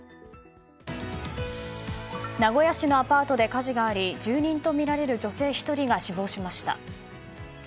名古屋市のアパートで火事があり住民とみられる女性１人が死亡しました。